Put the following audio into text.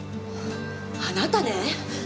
あなたね！